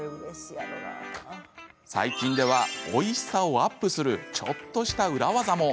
最近では、おいしさをアップするちょっとしたウラ技も。